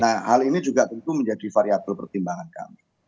nah hal ini juga tentu menjadi variable pertimbangan kami